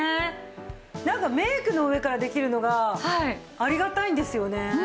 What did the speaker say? なんかメイクの上からできるのがありがたいんですよね。